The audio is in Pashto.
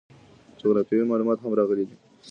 جغرافیوي معلومات هم راغلي دي.